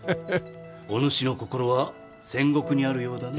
お主の心は戦国にあるようだな。